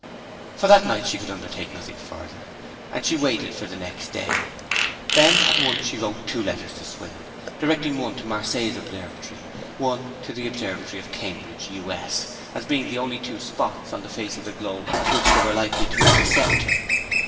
For that night she could undertake nothing further, and she waited for the next day. Then at once she wrote two letters to Swithin, directing one to Marseilles observatory, one to the observatory of Cambridge, U.S., as being the only two spots on the face of the globe at which they were likely to intercept him.